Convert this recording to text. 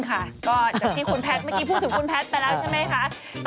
จากที่คุณแพทย์เมื่อกี้พูดถึงคุณแพทย์ไปแล้วใช่ไหมคะ